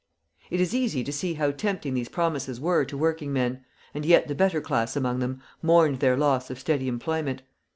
It is easy to see how tempting these promises were to working men; and yet the better class among them mourned their loss of steady employment.